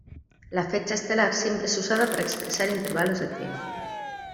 La fecha estelar siempre es usada para expresar intervalos de tiempo.